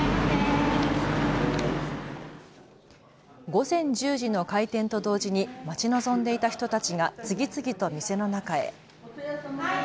午前１０時の開店と同時に待ち望んでいた人たちが次々と店の中へ。